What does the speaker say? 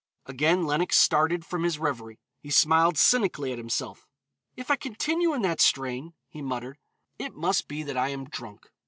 Again Lenox started from his revery. He smiled cynically at himself. "If I continue in that strain," he muttered, "it must be that I am drunk."